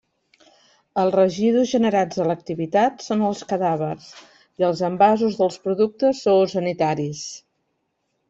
Els residus generats a l'activitat són els cadàvers i els envasos dels productes zoosanitaris.